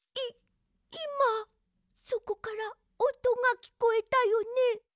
いいまそこからおとがきこえたよね？